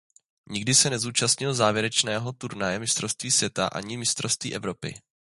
Nikdy se nezúčastnil závěrečného turnaje mistrovství světa ani mistrovství Evropy.